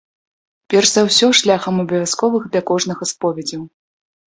Перш за ўсё шляхам абавязковых для кожнага споведзяў.